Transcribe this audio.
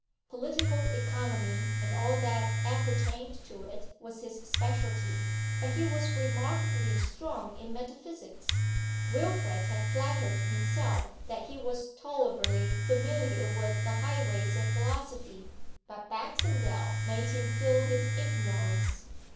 Political economy and all that appertained to it was his speciality, but he was remarkably strong in metaphysics. Wilfrid had flattered himself that he was tolerably familiar with the highways of philosophy, but Baxendale made him feel his ignorance.